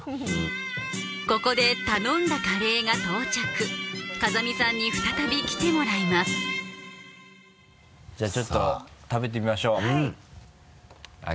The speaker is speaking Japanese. ここで頼んだカレーが到着風見さんに再び来てもらいますじゃあちょっと食べてみましょうはい。